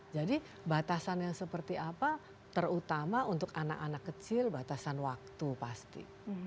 jadi batasan yang seperti apa terutama untuk anak anak kecil batasan waktu pasti